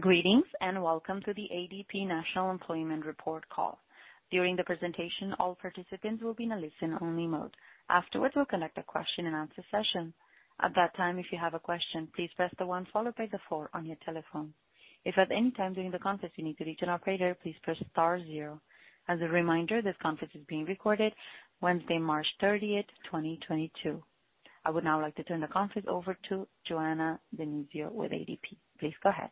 Greetings, and welcome to the ADP National Employment Report call. During the presentation, all participants will be in a listen-only mode. Afterwards, we'll conduct a question-and-answer session. At that time, if you have a question, please press one followed by four on your telephone. If at any time during the conference you need to reach an operator, please press star zero. As a reminder, this conference is being recorded Wednesday, March 30th, 2022. I would now like to turn the conference over to Joanna DiNizio with ADP. Please go ahead.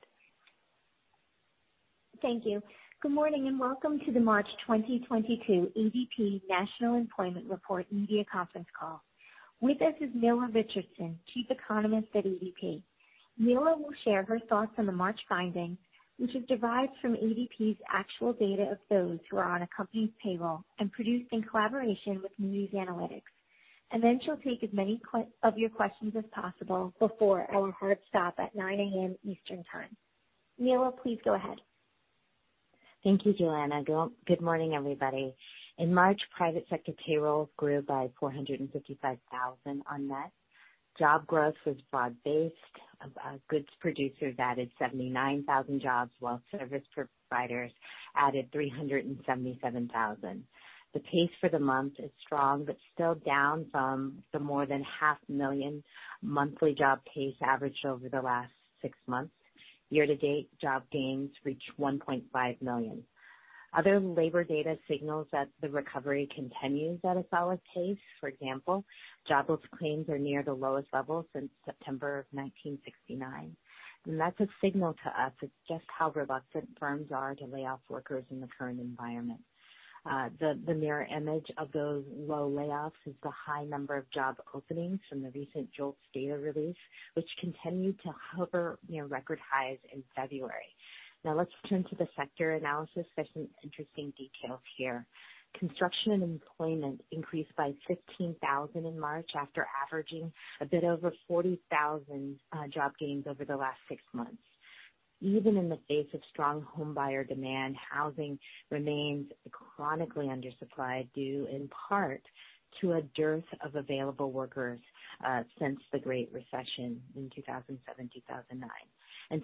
Thank you. Good morning and welcome to the March 2022 ADP National Employment Report media conference call. With us is Nela Richardson, Chief Economist at ADP. Nela will share her thoughts on the March findings, which is derived from ADP's actual data of those who are on a company's payroll and produced in collaboration with Moody's Analytics. She'll take as many questions as possible before our hard stop at 9:00 A.M. Eastern Time. Nela, please go ahead. Thank you, Joanna. Good morning, everybody. In March, private sector payrolls grew by 455,000 net. Job growth was broad-based. Goods producers added 79,000 jobs, while service providers added 377,000. The pace for the month is strong, but still down from the more than 500,000 monthly job pace average over the last six months. Year-to-date job gains reached 1.5 million. Other labor data signals that the recovery continues at a solid pace. For example, jobless claims are near the lowest level since September of 1969. That's a signal to us of just how reluctant firms are to lay off workers in the current environment. The mirror image of those low layoffs is the high number of job openings from the recent JOLTS data release, which continued to hover near record highs in February. Now let's turn to the sector analysis. There's some interesting details here. Construction and employment increased by 15,000 in March after averaging a bit over 40,000 job gains over the last six months. Even in the face of strong homebuyer demand, housing remains chronically undersupplied, due in part to a dearth of available workers since the Great Recession in 2007-2009.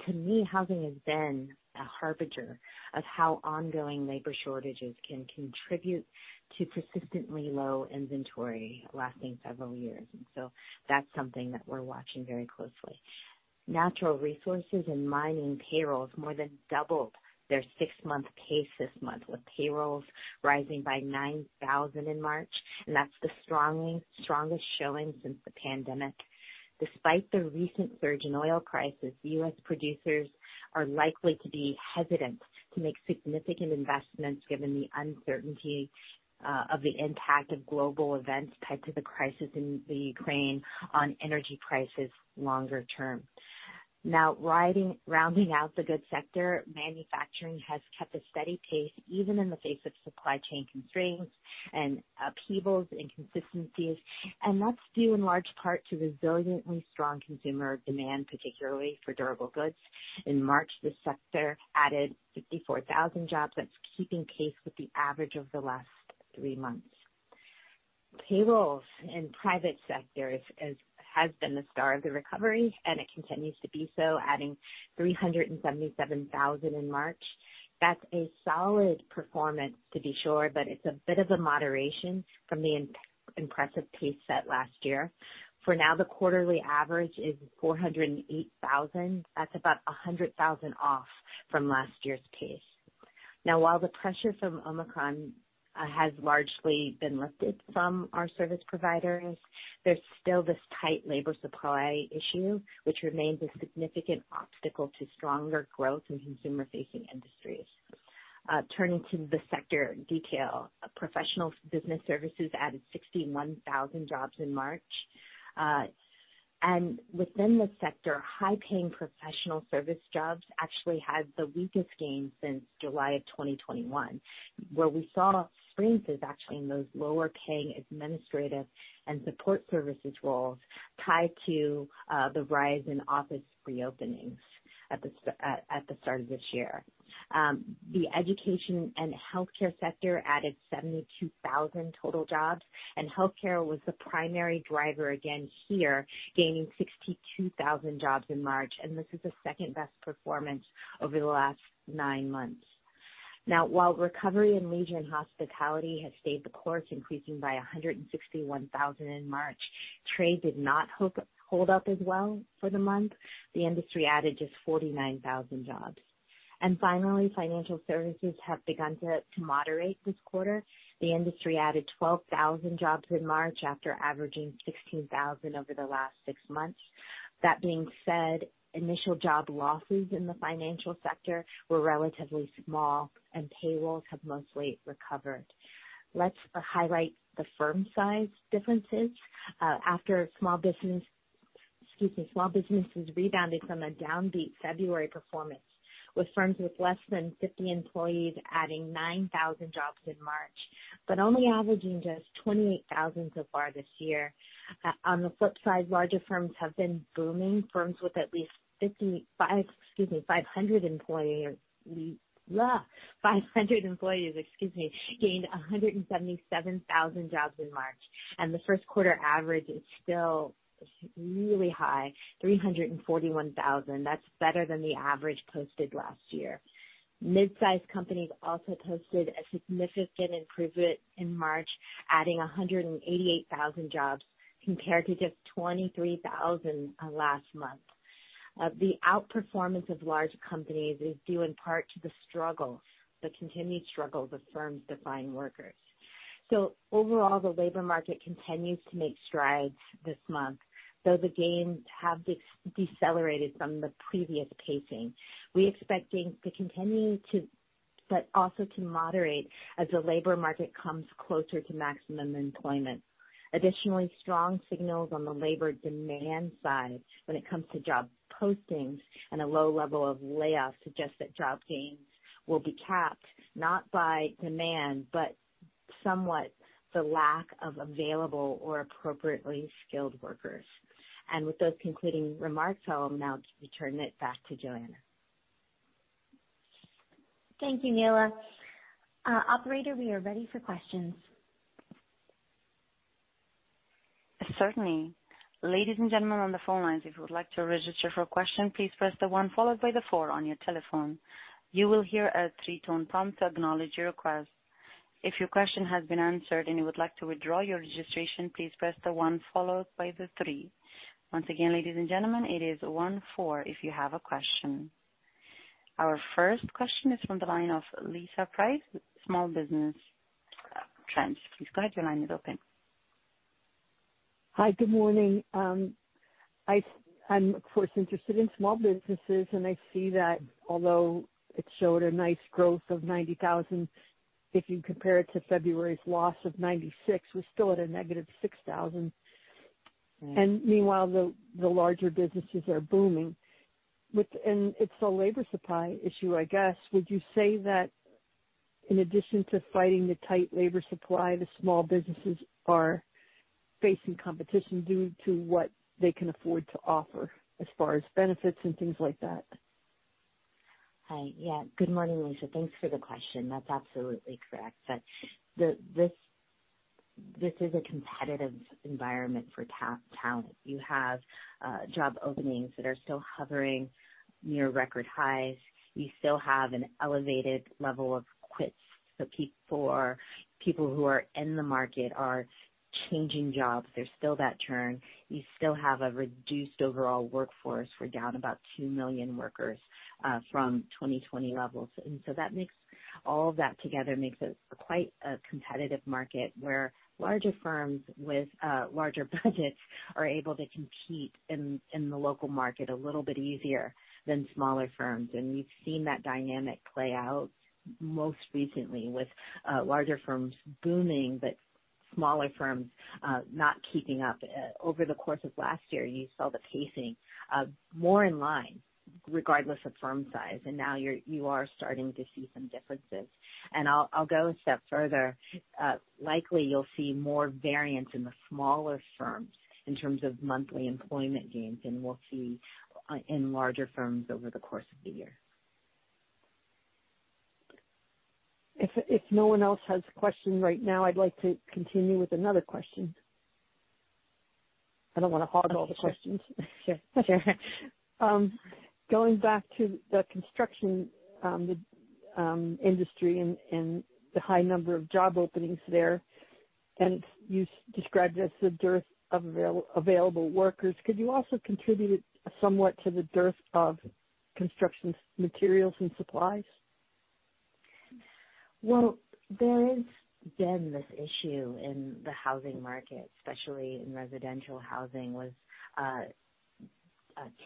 To me, housing has been a harbinger of how ongoing labor shortages can contribute to persistently low inventory lasting several years. That's something that we're watching very closely. Natural resources and mining payrolls more than doubled their six-month pace this month, with payrolls rising by 9,000 in March, and that's the strongest showing since the pandemic. Despite the recent surge in oil prices, U.S. producers are likely to be hesitant to make significant investments given the uncertainty of the impact of global events tied to the crisis in the Ukraine on energy prices longer term. Rounding out the goods sector, manufacturing has kept a steady pace even in the face of supply chain constraints and upheavals and inconsistencies, and that's due in large part to resiliently strong consumer demand, particularly for durable goods. In March, this sector added 54,000 jobs. That's keeping pace with the average of the last three months. Payrolls in private sector has been the star of the recovery, and it continues to be so, adding 377,000 in March. That's a solid performance, to be sure, but it's a bit of a moderation from the impressive pace set last year. For now, the quarterly average is 408,000. That's about 100,000 off from last year's pace. Now, while the pressure from Omicron has largely been lifted from our service providers, there's still this tight labor supply issue, which remains a significant obstacle to stronger growth in consumer-facing industries. Turning to the sector detail, professional business services added 61,000 jobs in March. And within the sector, high-paying professional service jobs actually had the weakest gain since July 2021, where we saw strength is actually in those lower-paying administrative and support services roles tied to the rise in office reopenings at the start of this year. The education and healthcare sector added 72,000 total jobs, and healthcare was the primary driver again here, gaining 62,000 jobs in March, and this is the second-best performance over the last nine months. Now, while recovery in leisure and hospitality has stayed the course, increasing by 161,000 in March, trade did not hold up as well for the month. The industry added just 49,000 jobs. Finally, financial services have begun to moderate this quarter. The industry added 12,000 jobs in March after averaging 16,000 over the last six months. That being said, initial job losses in the financial sector were relatively small, and payrolls have mostly recovered. Let's highlight the firm size differences. Small businesses rebounded from a downbeat February performance, with firms with less than 50 employees adding 9,000 jobs in March, but only averaging just 28,000 so far this year. On the flip side, larger firms have been booming. Firms with at least 500 employees gained 177,000 jobs in March, and the first quarter average is still really high, 341,000. That's better than the average posted last year. Mid-sized companies also posted a significant improvement in March, adding 188,000 jobs compared to just 23,000 last month. The outperformance of large companies is due in part to the struggle, the continued struggle of firms to find workers. Overall, the labor market continues to make strides this month, though the gains have decelerated from the previous pacing. We're expecting to continue to, but also to moderate as the labor market comes closer to maximum employment. Additionally, strong signals on the labor demand side when it comes to job postings and a low level of layoffs suggest that job gains will be capped not by demand, but somewhat the lack of available or appropriately skilled workers. With those concluding remarks, I'll now return it back to Joanna. Thank you, Nela. Operator, we are ready for questions. Certainly. Ladies and gentlemen on the phone lines, if you would like to register for a question, please press the one followed by the four on your telephone. You will hear a three-tone prompt to acknowledge your request. If your question has been answered and you would like to withdraw your registration, please press the one followed by the three. Once again, ladies and gentlemen, it is one-four if you have a question. Our first question is from the line of Lisa Price, Small Business Trends. Please go ahead. Your line is open. Hi. Good morning. I'm of course interested in small businesses and I see that although it showed a nice growth of 90,000, if you compare it to February's loss of 96,000, we're still at a negative 6,000. Meanwhile the larger businesses are booming. It's a labor supply issue I guess. Would you say that in addition to fighting the tight labor supply, the small businesses are facing competition due to what they can afford to offer as far as benefits and things like that? Hi. Yeah. Good morning, Lisa. Thanks for the question. That's absolutely correct. This is a competitive environment for talent. You have job openings that are still hovering near record highs. You still have an elevated level of quits. People who are in the market are changing jobs. There's still that churn. You still have a reduced overall workforce. We're down about 2 million workers from 2020 levels. That makes all of that together a quite competitive market where larger firms with larger budgets are able to compete in the local market a little bit easier than smaller firms. We've seen that dynamic play out most recently with larger firms booming but smaller firms not keeping up. Over the course of last year you saw the pacing more in line regardless of firm size and now you are starting to see some differences. I'll go a step further. Likely you'll see more variance in the smaller firms in terms of monthly employment gains than we'll see in larger firms over the course of the year. If no one else has a question right now, I'd like to continue with another question. I don't wanna hog all the questions. Sure. Sure. Going back to the construction industry and the high number of job openings there, and you described it as the dearth of available workers. Could you also contribute it somewhat to the dearth of construction materials and supplies? Well, there has been this issue in the housing market, especially in residential housing, with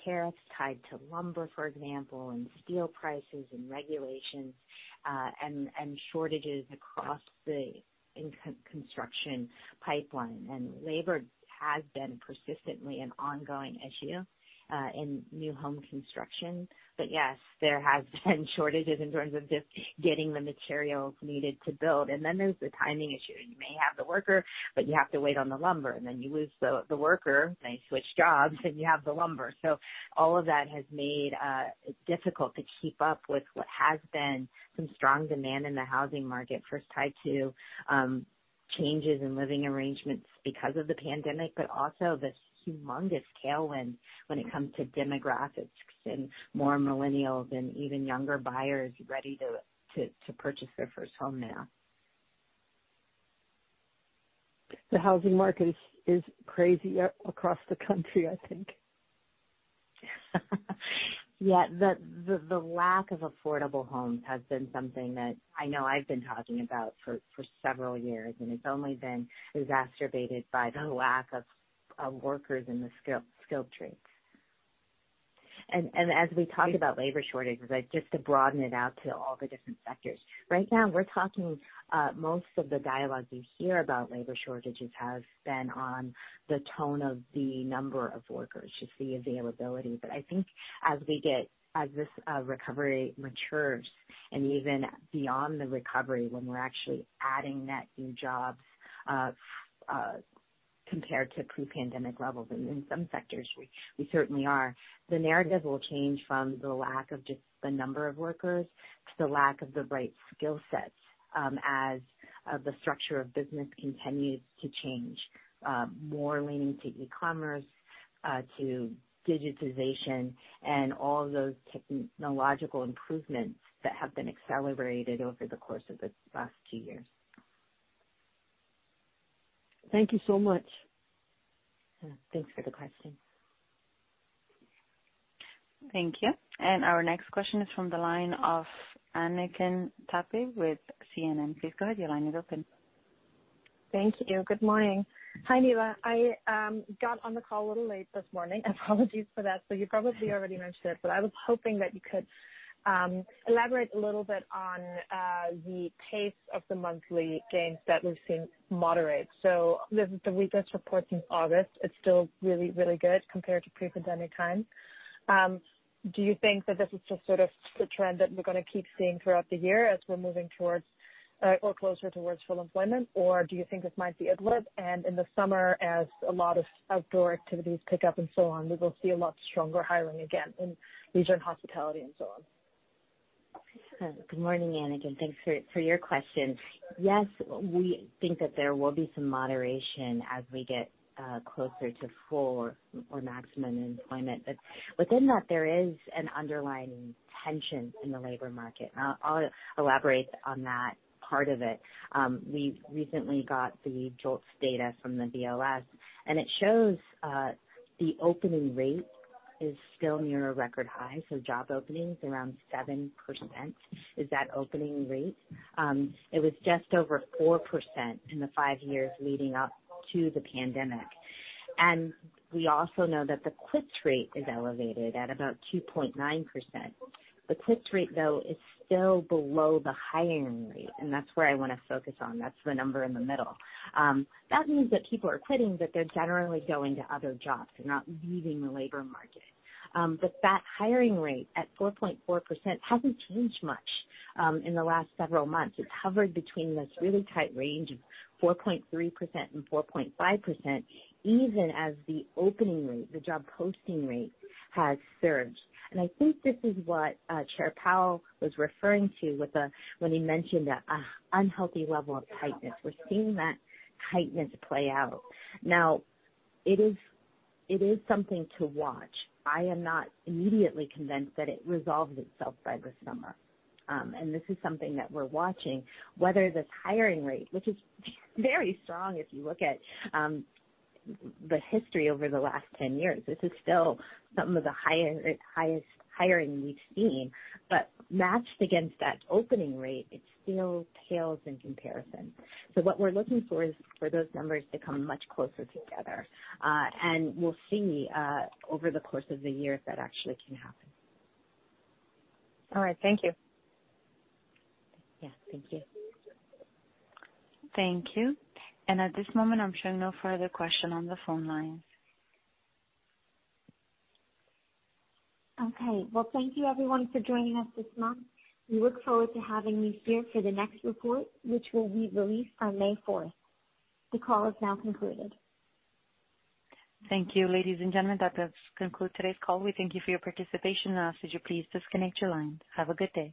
tariffs tied to lumber, for example, and steel prices and regulations, and shortages across the construction pipeline. Labor has been persistently an ongoing issue in new home construction. Yes, there have been shortages in terms of just getting the materials needed to build. Then there's the timing issue. You may have the worker, but you have to wait on the lumber. Then you lose the worker, they switch jobs, then you have the lumber. All of that has made it difficult to keep up with what has been some strong demand in the housing market first tied to changes in living arrangements because of the pandemic, but also this humongous tailwind when it comes to demographics and more millennials and even younger buyers ready to purchase their first home now. The housing market is crazy across the country, I think. Yeah. The lack of affordable homes has been something that I know I've been talking about for several years, and it's only been exacerbated by the lack of workers in the skilled trades. As we talk about labor shortages, I'd like to broaden it out to all the different sectors. Right now we're talking most of the dialogue you hear about labor shortages has been on the tone of the number of workers, just the availability. I think as this recovery matures and even beyond the recovery when we're actually adding net new jobs compared to pre-pandemic levels, and in some sectors we certainly are. The narrative will change from the lack of just the number of workers to the lack of the right skill sets, as the structure of business continues to change, more leaning to e-commerce, to digitization and all those technological improvements that have been accelerated over the course of the last two years. Thank you so much. Thanks for the question. Thank you. Our next question is from the line of Anneken Tappe with CNN. Please go ahead. Your line is open. Thank you. Good morning. Hi, Nela. I got on the call a little late this morning. Apologies for that. You probably already mentioned it, but I was hoping that you could elaborate a little bit on the pace of the monthly gains that we've seen moderate. This is the weakest report since August. It's still really, really good compared to pre-pandemic time. Do you think that this is just sort of the trend that we're gonna keep seeing throughout the year as we're moving towards or closer towards full employment? Or do you think this might be a blip, and in the summer as a lot of outdoor activities pick up and so on, we will see a lot stronger hiring again in leisure and hospitality and so on? Good morning, Anneken. Thanks for your question. Yes, we think that there will be some moderation as we get closer to full or maximum employment. Within that there is an underlying tension in the labor market. I'll elaborate on that part of it. We recently got the JOLTS data from the BLS, and it shows the opening rate is still near a record high, so job openings around 7% is that opening rate. It was just over 4% in the five years leading up to the pandemic. We also know that the quits rate is elevated at about 2.9%. The quits rate, though, is still below the hiring rate, and that's where I wanna focus on. That's the number in the middle. That means that people are quitting, but they're generally going to other jobs. They're not leaving the labor market. That hiring rate at 4.4% hasn't changed much, in the last several months. It's hovered between this really tight range of 4.3% and 4.5%, even as the opening rate, the job posting rate, has surged. I think this is what, Chair Powell was referring to when he mentioned an unhealthy level of tightness. We're seeing that tightness play out. Now, it is something to watch. I am not immediately convinced that it resolves itself by the summer. This is something that we're watching, whether this hiring rate, which is very strong if you look at, the history over the last 10 years, this is still some of the highest hiring we've seen. Matched against that opening rate, it still pales in comparison. What we're looking for is for those numbers to come much closer together. We'll see over the course of the year if that actually can happen. All right. Thank you. Yeah. Thank you. Thank you. At this moment I'm showing no further question on the phone lines. Okay. Well, thank you everyone for joining us this month. We look forward to having you here for the next report, which will be released on May 4th. The call is now concluded. Thank you, ladies and gentlemen. That does conclude today's call. We thank you for your participation. Could you please disconnect your line? Have a good day.